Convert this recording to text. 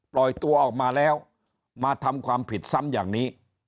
ปล่อยตัวออกมาแล้วมาทำความผิดซ้ำอย่างนี้